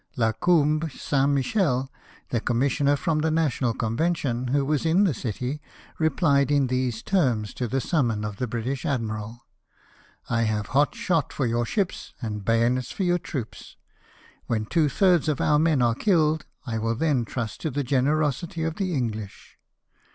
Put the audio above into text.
La Combe St. Michel, the com missioner from the National Convention, who was in the city, replied in these terms to the summons of the British admiral: "I have hot shot for your ships, and bayonets for your troops. When two thirds of our men are killed, I will then trust to the generosity of the English."